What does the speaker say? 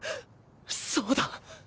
そうだ！